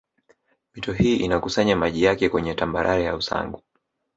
Mito hii inakusanya maji yake kwenye tambarare ya Usangu